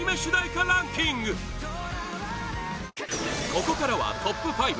ここからはトップ５！